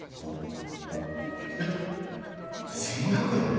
えっ１５００円！？